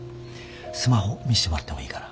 スマホ見してもらってもいいかな？